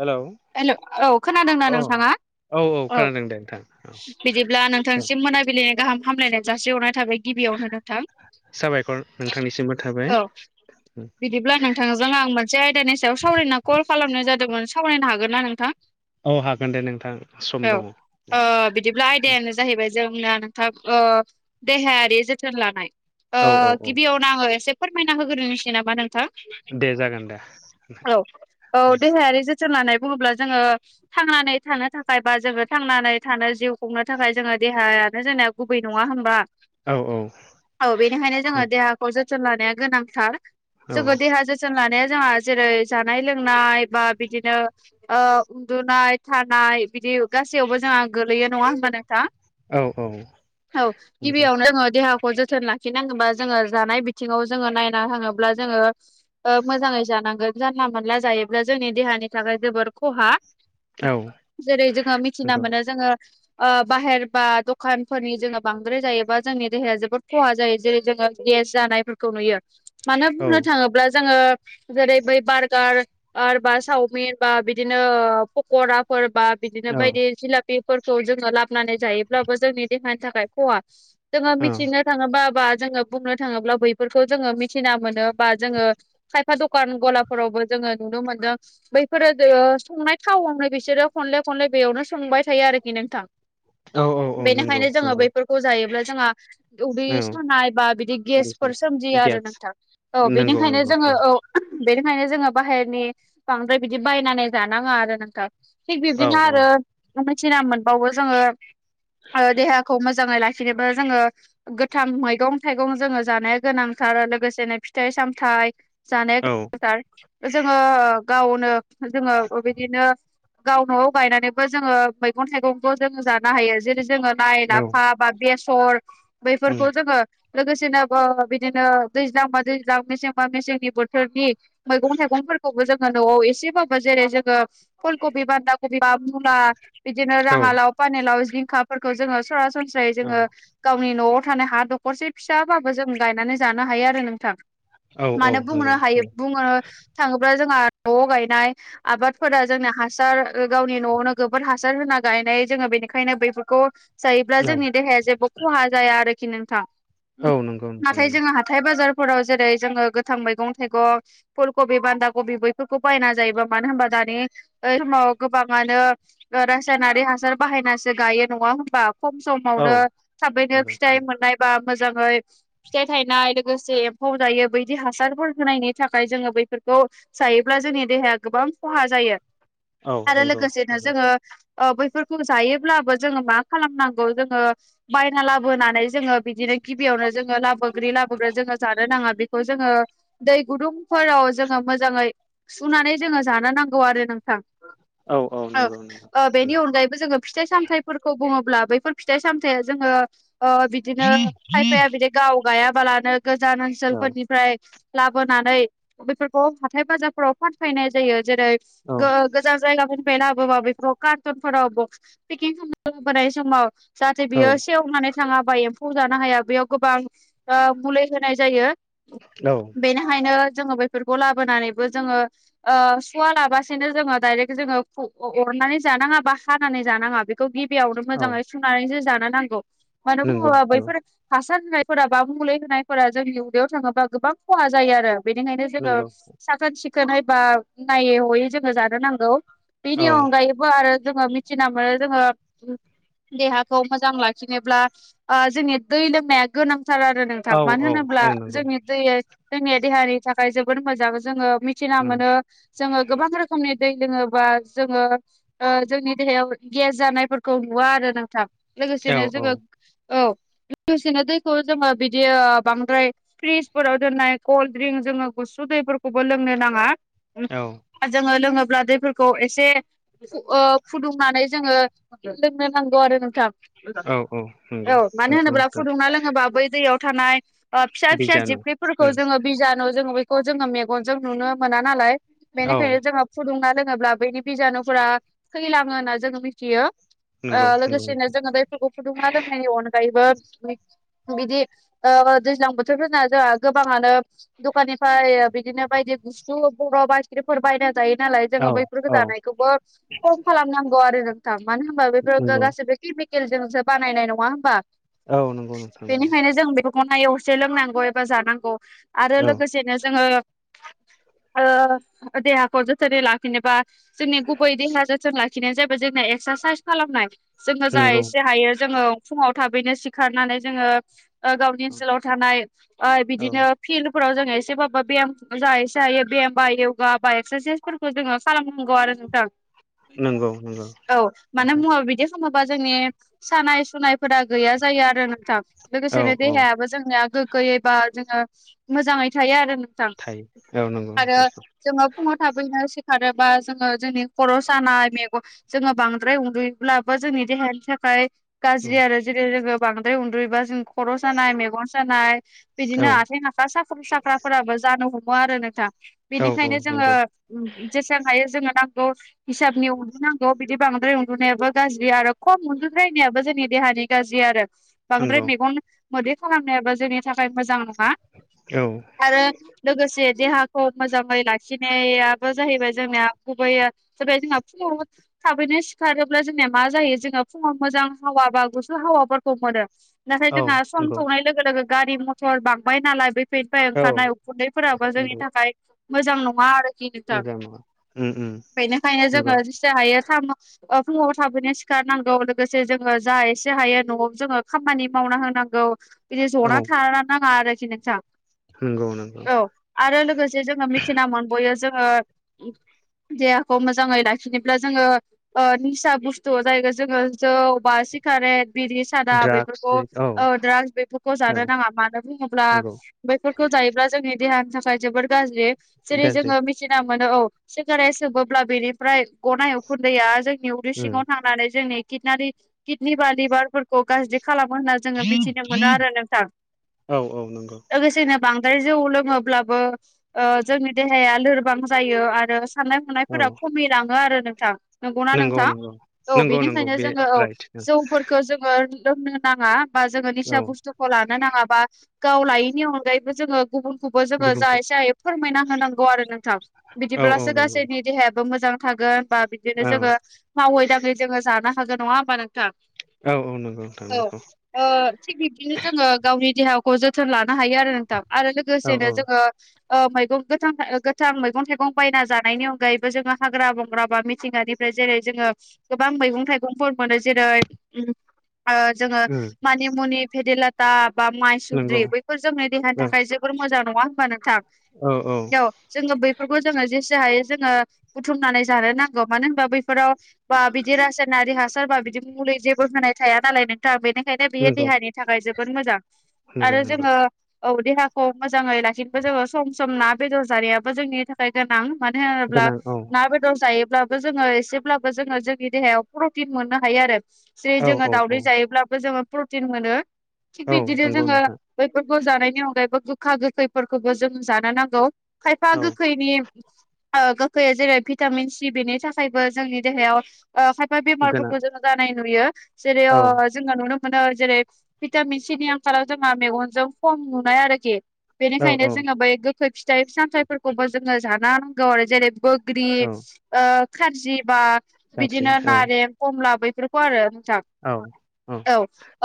हेल' hello औ खोनादोंना नोंथाङा औ। खोनादों दे नोंथां बिदिब्ला औ नोंथांसिम मोनाबिलिनि गाहाम हामलायनाय जासिरिहरनाय थाबाय। गिबियावनो नोंथां साबायखर नोंथांनिसिमबो थाबाय औ। बिदिब्ला नोंथांजों आं मोनसे आयदानि सायाव सावरायना कल खालामनाय जादोंमोन सावरायनो हागोन हागोन ना नोंथां? औ हागोन दे नोंथां सम औ दङ। ओ बिदिब्ला आयदायानो जाहैबाय जोंना नोंथां देहायारि जोथोन लानाय। औ औ औ गिबियावनो आङो एसे फोरमायना होग्रो मिथियो नामा नोंथां। दे जागोन दे औ औ देहायारि जोथोन लानाय बुङोब्ला जोङो थांनानै थानो थाखाय बा जोङो थांनानै थानो जिउ खुंनो थाखाय जोङो देहायानो जोंनि गुबै नङा होनबा औ औ। औ बेनिखायनो जोङो देहाखौ जोथोन लानाया गोनांथार जोङो देहा जोथ बोसोन लानाया जोंहा जेरै जानाय लोंनाय बा बिदिनो उन्दुनाय थानाय बिदि गासैयावबो जोंहा गोलैयो नङा हबा नोंथाङ औ औ औ नंगौ गिबियावनो जोंङो देहा खौ जोथोन लाखिनांगौबा जोङो जानाय बिथिङाव जोङो नायना होाङोब्ला जोङो मोजाङै जानांगोन जानला मोनानला जायोब्ला जोंनि देहानि नि थाखाय जोबोर खहा औ जेरै जोङो मिथिना नंगौ मोनो जोङो बाहेर बा दखानफोरनि जोंङो बांद्राय जायोबा जोंनि देहाया जोबोद खहा जायो जेरै जोंङो गेस जानायफोरखौ नुयो मानो औ बुंनो थाङोब्ला जोंङो जेरै बै बार्गार बा साव बा बिदिनो पक'राफोर बा बिदिनो औ बायदि बेफोरखौ जोङो लाबोनानै जायोब्लाबो जोंनि देहानि थाखाय खहा जोङो मिथिनो थाङोबा बा जोंङो बुंनो थाङोब्ला बैफोरखौ जोंङो मिथिना मोनो बा जोङो खायफा दखान गलाफोरावबो जोंङो नुनो मोनदों बै फोरो संनाय थावावनो बिसोरो खनले खनले बेयावनो संबाय थायो आरोखि नोंथां औ औ नंगौ बेनिखायनो जोङो नंगौ औ बैफोरखौ जायोब्ला जोंहा उदै सानाय बा बिदि गेसफोर सोमजियो आरो गेस नोंथां औ नंगौ बेनिखायनो नंगौ जोंङो औ बेनिखायनो जोङो बाहेरनि बांद्राय बिदि बायनानै जानाङा आरो नोंथां थिग औ बिब्दिनो औ आरो मिथिना मोनबावो जोङो देहाखौ मोजाङै लाखि जेनेबा जोङो गोथां मैगं थाइगं जोंङो जानो गोनांथार लोगोसेनो फिथाइ सामथाइ जानाया औ गोनांथार जोङो गावनो जोङो बिदिनो गाव नआव गायनानैबो जोंङो मैगं थाइगंखौ जोंङो जानो हायो जेरै जोंङो लाय लाफा बा बेसर उम बैफोरखौ जोंङो लोगोसेनो बिदिनो दैज्लां बा दैज्लां मेसेंबा मेसेंनि बोथोरनि मैगं थाइगंफोरखौबो जोंङो न'आव एसे एसेबाबो जेरै जोंङो फुल कबि बान्दा कबि बा मुला बिदिनो औ राङालाव पानेलाव जिंखाफोरखौ जोंङो सरासनस्रायै जोंङो औ गावनि न'आव थानाय हा दखरसे फिसाबाबो जों गायनानै जानो हायो आरो नोंथां औ औ मानो बुंनो नंगौ हायो बुंनो थाङोब्ला जोंहा न'आव गायनाय आबादफोरा जोंनि हासार गावनि न'आवनो गोबोर हासार होना गायनाय जोङो बेनिखायनो बेफोरखौ जायोब्ला औ जोंनि देहाया जेबो खहा जाया आरोखि नोंथां औ नंगौ नोंथां नाथाय नंगौ जोंहा हाथाइ बाजारफोराव जेरै जोङो गोथां मैगं थाइगं फुल कबि बान्दा कबि बैफोरखौ बायनानै मानो होनबा दानि समाव गोबांङानो रासायनारि हासार बाहायनासो गायो नङा होनबा खम औ समावनो थाबैनो नंगौ फिथाइ मोननायबा मोजाङै फिथाइ थायनाय लोगोसे एम्फौ जायो बैदि हासारफोर होनायनि थाखाय जोंङो बैफोरखौ जायोब्ला जोंनि देहाया गोबां खहा जायो औ आरो नंगौ लोगोसेनो नंगौ जोंङो बैफोरखौ जायोब्लाबो जोंङो मा खालामनांगौ जोंङो बायना लाबोनानै जोंङो बिदिनो गिबियावनो जोंङो लाबोग्रि लाबोग्रो जोंङो जानो नांङा बेखौ जोंङो दै गुदुंफोराव जोंङो मोजांङै सुनानै जोङो जानो नांगौ आरो नोंथां औ औ नंगौ नंगौ औ बेनि अनगायैबो जोङो फिथाइ सामथायाइफोरखौ बुङोब्ला बैफोर फिथाइ सामथायाइया जोङो औ बिदिनो खायफाया बिदि गाव गायाबालानो गोजान ओनसोलफोरनिफ्राय लाबोनानै बेफोरखौ हाथाय बाजारफोराव फानफायनाय जायो जेरै औ गोजान जायगाफोरनिफ्राय लाबोबा बेफोर कार्टुनफोराव ब पेकिं खालाम लाबोनाय समाव जाहाथे बियो औ सेवनानै थाङाबा एम्फौ जानो हाया बेयाव गोबां मुलि होनाय जायो औ बेनिखायनो जोङो बेैफोरखौ लाबोनानैबो जोंङो सुवा लाबासेनो जोङो डायरेक्ट जोङो अरनानै जानाङा बा हानानै जानाङा बे खौ गिबियावनो औ मोजाङै सुनानैसो जानो नांगौ मानो नंगौ बुङोबा नंगौ बैफोर हासार होनायफोरा बा मुलि होनायफोरा जोंनि उदैयाव थाङोबा गोबां खहा जायो आरो बेनिखायनो जोंङो नंगौ साखोन सिखोनै बा नायै हयै जोंङो जानो नांगौ। औ बिनि अनगायैबो आरो जोंङो मिथिना मोनो जोंङो देहाखौ मोजां लाखिनोब्ला ओ जोंनि दै लोंनाया गोनांथार आरो नोंथां औ मानो औ होनोब्ला औ नंगौ जोंनि दैया जोंनिया देहानि थाखाय जोबोर मोजां। जोंङो मिथिना औ मोनो जोंङो गोबां रोखोमनि दै लोंङोबा जोंङो ओ जोंनि देहायाव गेस जानायफोरखौ नुवा आरो नोंथां औ लोगोसेनो जोंङो औ लोगोसेनो दैखौ जोंङो बिदि ओ बांद्राय फ्रिजफोराव दोननाय कल्ड ड्रिंक जोंङो गुसु दैफोरखौबो लोंनो नांङा। औ ओ जोंङो लोंङोब्ला दैफोरखौ एसे ओ फुदुंनानै जोंङो लोंनो नांगौ आरो नोंथां। औ औ नंगौ औ मानो होनोब्ला नोंथां फुदुंना लोंङोबा बै दैयाव थानाय ओ फिसा फिसा बिजानु जिबख्रिफोरखौ जोंङो बिजानु जोंङो बेखौ जोंङो मे गनजों नुनो मोना नालाय औ बेनिखायनो जोंङो फुदुंना लोंङोब्ला बैनि बिजानुफोरा थैलांङो होनना जोंङो मिथियो। ओ नंगौ नंगौ लोगोसेनो जोंङो बे दैफोरखौ फुदुंना लोंनायनि अनगायैबो बिदि ओ दैज्लां बोथोरफोरना जोंहा गोबांङानो दखाननिफ्राय बिदिनो बायदि गुसु बरफ आइसख्रिमफोर बायना जायो नालाय औ जोंङो बैफोरखो औ जानाय खौबो खम खालामनांगौ आरो नोंथां मानो होनबा बेफोर गो नंगौ गासै किमिकेलजोंसो बानायनाय नंङा होमबा औ नंगौ नोंथां नंगौ बेनिखायनो जों बेखौ खनायावसो लोंनांगौ एबा जानांगौ आरो औ लोगोसेनो जोंङो ओ देहाखौ जोथोनै लाखिनोबा जोंनि गुबै देहा जोथोन लाखि खिनायानो जाहैबाय जोंना एक्सारसाइस खालामनाय जोंङो जा नंगौ एसे हायो जोंङो फुंङाव थाबैनो सिखारनानै जोंङो ओ गावनि ओनसोलाव थानाय ओ औ बिदिनो फिल्ड फ्राव जों एसेबाबो भियाम जा एसे हायो भियाम बा यगा बा एक्सारसाइसफोरखौ जोंङो खालामनांगौ आरो नोंथां। नंगौ नंगौ औ माने मुंङाव बिदि होमबा जोंनि सानाय सुनायफोरा गैया जायो आरो नोंथां औ लोगोसेनो औ देहायाबो जोंनिया गोग्गोयै बा जोंङो मोजांङै थायो आरो नोंथां। थायो औ नंगौ नोंथां औ। जोंङो फुंङाव थाबैनो सिखारोबा जोंङो जोंनि खर' सानाय मेगन जोंङो बांद्राय उन्दयोब्लाबो जोंनि देहानि थाखाय गाज्रि आरो जेरै जोंङो बांद्राय उन्दुयोबा जों खर' सानाय मेगन सानाय औ बिदिनो आथिं आखाइ साख्रुब साख्राबफोराबो जानो हमो आरो नोंथां। औ औ बिनिखायनो जोंङो नंगौ जेसेबां हायो जोंङो नांगौ हिसाबनि उन्दुनांगौ न' बिदि बांद्राय उन्दुनायाबो गाज्रि आरो खम उन्दुद्रायनायाबो जोंनि देहानि गाज्रि आरो। बांद्राय नंगौ मेगन मोदै खालामनायाबो जोंनि थाखाय मोजां नंङा। औ। आरो लोगोसे देहाखौ मोजांङै लाखिनायाबो जाहैबाय जोंनिया गुबैयै ज बेाय [unintelligible] थाबैनो सिखारोब्ला जोंनिया मा जायो जोंङो फुंङाव मोजां हावा बा गुसु हावाफोरखौ मोनो। नाथाय औ जोंहा सम नंगौ संनाय लोगो लोगो गारि मथर बांबाय नालाय बैफोरनिफ्राय औ ओंखारनाय उ कुन्दैफोराबो जोंनि नंगौ थाखाय मोजां नंङा आरो। [unintelligible] मोजां नङा उम उम बेनिखायनो नंगौ जोंङो जिसे हायो सामस ओ फुंङाव थाबैनो सिखारनांगौ लोगोसे जोंङो जा एसे हायो न'आव जोंङो खामानि मावना होनां गौ बिदि औ जना थानो नांङा आरोखि नोंथां। नंगौ नों। औ आरो लोगोसे जोंङो मिथिना मोनबोयो जोंङो देहाखौ मोजांङै लाखिनोब्ला जोंङो ओ निसा बुस्थुआ जाइखो जोंङो जौ बा सिगारेट, बिरि सो सादा द्राग्स बेफोरखौ बे औ ओ द्रागस बेफोरखौ औ जानो नाङा मानो बुङोब्ला नंगौ बेफोरखौ जायोब्ला जोंनि देहानि थाखाय जोबोर गाज्रि जेरै गाज्रि जोङो मि थिना मोनो औ सिगारे सोबोब्ला बेनिफ्राय गनाय उखुन्दैया जोंनि उदै सिङाव उम थां नानै जोंनि खिनारि किडनि बा लिभारफोरखौ गाज्रि खालामो होनना जोङो मिथिनो मोनो आरो नोंथां औ औ नंगौ लोगोसेनोब बांद्राय जौ लोङोब्लाबो ओ जोंनि देहाया लोरबां जायो आरो साननाय औ सानायफोरा खमिलाङो आरो नोंथां। नंगौना नंगौ नोंथां नंगौ औ नंगौ नंगौ बेनिखायनो बे जोङो औ राइट जौफोरखो जों [unintelligible] लोंनो नाङा बा जोङो औ निसा बुस्थुखौ लानो नाङा बा गाव लायैनि अनगायैबो जोङो गुबुनखौबो जोङो जा गुबुनखौ एसे हायो फोरमायना होनांगौ आरो नोंथां। औ औ बिदिब्लासो नंगौ गासैनि देहायाबो मोजां थागोन। बा बिदिनो औ जोङो मावै दाङै जोङो जानो हागोन नङा ओमबा नोंथां? औ औ नंगौ नोंथां औ नंगौ ओ थिग बिब्दिनो जोङो गावनि देहाखौ जोथोन लानो हायो आरो नोंथां आरो औ औ लोगोसेनो जोङो ओ मैगं गोथां ओ गोथां मैगं थाइगं बायना जानायनि अनगायैबो जोङो हाग्रा बंग्रा बा मिथिंगानि फ्राय जेरै जोङो गोबां मैगं थाइगंफोर मोनो जेरै उम ओ जोङो उम मानि मुनि फेदेलाटा बा नंगौ माइसुद्रि बैफोर जोंनि देहानि औ थाख जोबोर मोजां नङा होमबा नोथां? औ औ औ जोङो बैफोरखौ जोङो जेसे हायो जोङो बुथुमनानै जानो नांगौ मानो होनबा बैफोराव बा बिदि रासायनारि हासार बा बिदि मुलि जेबो होनाय थाया नालाय नोंथां बेनिखायनो बियो नंगौ देहानि थाखाय जोबोद मोजां मोजां आरो नंगौ जोङो औ देहा खौ मोजाङै लाखिनोबो जोङो सम सम ना बेदर जानायाबो जोंनि थाख [unintelligible] गोनां मानो होनोब्ला गोनां औ ना बेदर जायोब्लाब बो जोङो एसेब्लाबो जोङो जोंनि देहायाव प्रटिन मोननो हायो आरो जेरै औ जोङो औ दावदै औ जायोब्लाबो जोङो प्रटिन मोनो थिग औ बिदिनो नंगौ जोङो नोंथां बैफोरखौ जानायनि अनगायैबो गोखा गोखैफोरखौबो जों जानो नांगौ। खायफा औ गैखैनिब ओ गोखैया जेरै भिटामिन सि बेनि थाखायबो जोंनि देहायाव ओ खायफा गोनां बेमारफोरखौ जोङो जानाय नुयो जेरै औ अ जोङो नुनोम [unintelligible] जेरै भिटामिन सि नि आंखालाव जोंहा मेगनजों खम नुनाय आरोखि। औ बेनिखायनो औ जोङो बै गोखै फिथाइ सामथाइफोरखौबो जोङो जाना होनांगौ आरो जेरै बोग ग्रि औ ओ खारजि बा गाज्रि बिदिनो औ नारें खमला बैफोरखौ आरो नोंथां। औ औ औ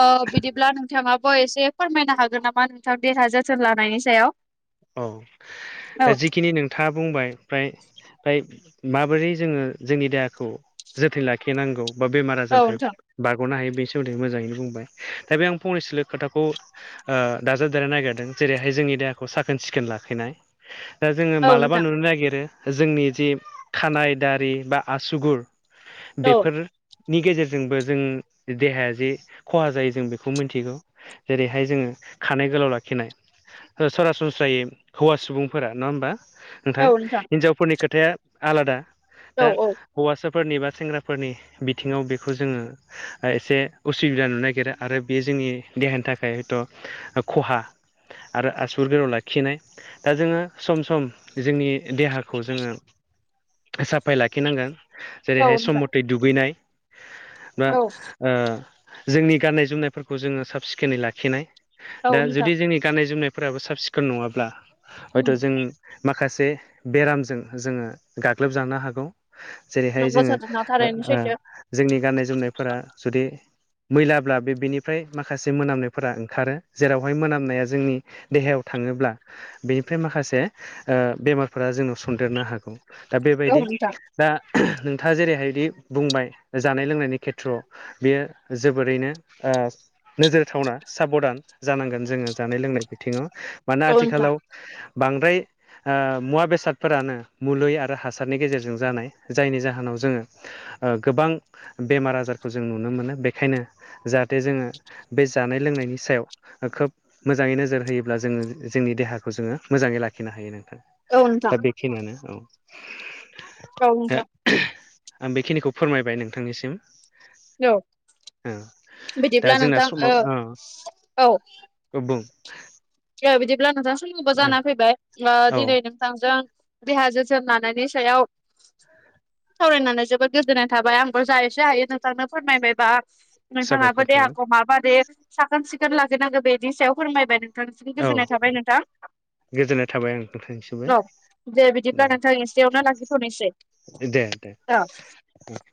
ओ बिदिब्ला नोंथाङाबो एसे फोरमायनो हागोन नामा नोंथां [unintelligible] सोन लानायनि सायाव। औ औ दा जिखिनि नोंथाङा बुंबाय फ्राय फ्राय माबोरै जोङो जोंनि देहाखौ जोथोन लाखिनांगौ? बा बेमार औ आजारनिफ्राय नोंथां बारग'नो हायो बेनि सोमोन्दै मोजाङैनो बुंबाय दा बे आं फंनैसोलो खोथाखौ ओ दाजाबदानो नागिरदों जेरैहाय जोंनि देहाखौ साख खोन सिखोन लाखिनाय दा जोङो औ मालाबा नोंथां नुनो नागिरो। जोंनि जि खानाय दारि बा आसुगुर औ बेफोर नि गेजेरजोंबो जों देहाया जे खहा जायो जों बेखौ मोनथिगौ। जेरैहाय जोङो खानाय गोलाव लाखिनाय ओ सरासन स्रायै हौवा सुबुंफोरा नङा ओमबा नोंथां औ नोंथां हिनजावफोरनि खोथाया आलादा। औ दा औ हौवासाफोरनि बा सेंग्राफोरनि बिथिङाव बेखौ जोङो ओ एसे उसुबिदा नुनोनागिरा आरो बे जोंनि देहानि थाखाय थ' ओ खहा आरो आसुर गोराव ला खिनाय दा जोङो सम सम जोंनि देहाखौ जोङो साफाय लाखिनांगोन औ जेरैहाय सम नोंथां मथे दुगैनाय बा औ ओ जोंनि गाननाय जोमनायफोरखौ जोङो साब सिखोनै लाखिनाय दा औ नोंथां जुदि जोंनि गाननाय जोमनायफोराबो साब सिखोन नङाब्ला औ हयथ' जों माखासे बेरामजों जोङो गाग्लोबजानो हागौ जेरैहाय जोङो जोंनि गाननाय जोमनायफोरा जुदि मैलाब्ला बे बेनिफ्राय माखासे मोनामनायफोरा ओंखारो जेरावहाय मोनामनाया जोंनि देहायाव थाङोब्ला बेनिफ्राय माखासे बेमारफोरा जोंनाव सदेरनो हागौ दा औ बेबायदि दा नोंथाङा जेरैहायदि बुंबाय जानाय लोंनायनि खेथ्रआव बेयो जोबोरैनो ओ नोजोर थावना साबधान जानांगोन जोङो जानाय लोंनाय बिथिङाव मानोना आथिखालाव बांद्राय आ मुवा बेसादफोरानो मुलै आरो हासारनि गेजेरजों जानाय जायनि जाहोनाव जोङो ओ गोबां बेमार आजारखौ जों नुनो मोनो बेखायनो जाहाथे जोङो बे जानाय लोंनायनि सायाव खोब मोजाङै नोजोर होयोब्ला जोङो जोंनि देहाखौ जोङो मोजाङै लाखिनो हायो नोंथां औ नोंथां दा बेखिनियानो औ औ नोंथां आं बेखिनिखौ फोरमायबाय नोंथांनिसिम औ ओ दा बिदिब्ला जोंना नोंथां औ औ औ बुं दे बिदिब्ला नोंथां समबो जानानै फैबाय औ दिनै नों थांजों देहा जोथोन लानायनि सायाव सावरायनानै जोबोद गोजोननाय थाबाय आंबो जा एसे हायो नोंथांनो फोरमायबाय बा नोंथाङाबो साबायखर थाबाय देहाखौ माबादे साखोन सिखोन लाखिनांगौ बेनि सायाव फोरमायबाय नों नोंथांनिसिम औ गोजोननाय थाबाय नोंथां गोजोननाय थाबाय ओं नोंथांनिसिमबो औ दे बिदिब्ला नोंथां एसेयावनो लाखिथ'नोसै औ द